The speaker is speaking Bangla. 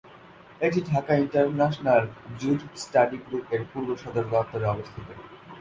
এটি Dhaka international jute study group এর পূর্ব সদর দপ্তরে অবস্থিত।